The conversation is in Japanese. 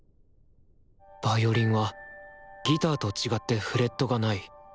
ヴァイオリンはギターと違ってフレットがない。